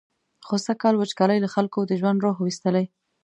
خو سږکال وچکالۍ له خلکو د ژوند روح ویستلی.